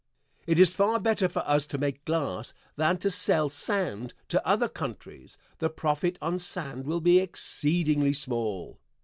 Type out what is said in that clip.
It is far better for us to make glass than to sell sand to other countries; the profit on sand will be exceedingly small.